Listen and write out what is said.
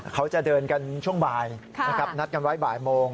เขาจะเดินกันช่วงบ่ายนะครับนัดกันไว้บ่ายโมง